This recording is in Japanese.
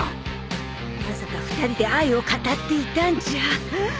まさか２人で愛を語っていたんじゃ